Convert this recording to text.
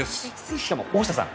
しかも大下さん